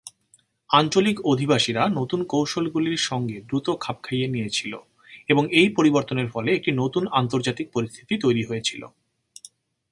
আঞ্চলিক অধিবাসীরা নতুন কৌশলগুলির সঙ্গে দ্রুত খাপ খাইয়ে নিয়েছিল, এবং এই পরিবর্তনের ফলে একটি নতুন আন্তর্জাতিক পরিস্থিতি তৈরি হয়েছিল।